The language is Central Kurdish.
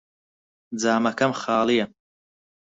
جامەکەم خاڵییە.